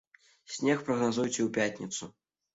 Снег прагназуюць і ў пятніцу.